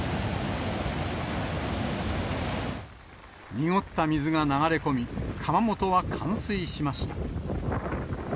濁った水が流れ込み、窯元は冠水しました。